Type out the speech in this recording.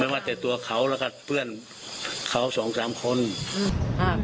ว่าแต่ตัวเขาแล้วก็เพื่อนเขาสองสามคนอืมอ่า